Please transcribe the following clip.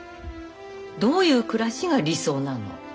どういう暮らしが理想なの？